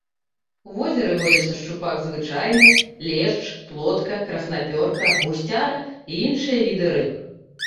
У возеры водзяцца шчупак звычайны, лешч, плотка, краснапёрка, гусцяра і іншыя віды рыб.